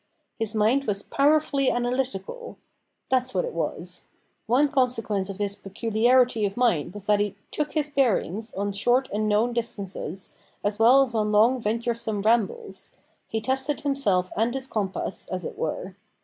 His mind was powerfully analytical that's what it was. One consequence of this peculiarity of mind was that he "took his bearings" on short and known distances, as well as on long venturesome rambles; he tested himself and his compass, as it were.